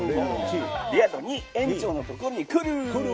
レア度２、園長のところに来る！